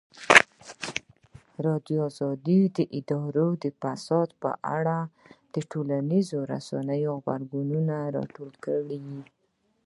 ازادي راډیو د اداري فساد په اړه د ټولنیزو رسنیو غبرګونونه راټول کړي.